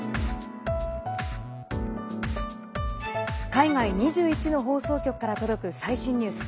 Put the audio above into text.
海外２１の放送局から届く最新ニュース。